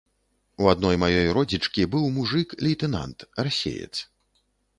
У адной маёй родзічкі быў мужык лейтэнант, расеец.